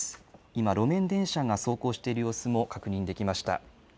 今路面電車が走行している様子も確認できました。